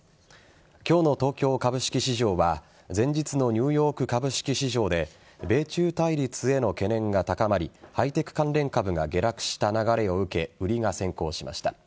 今日の東京株式市場は前日のニューヨーク株式市場で米中対立への懸念が高まりハイテク関連株が下落した流れを受け売りが先行しました。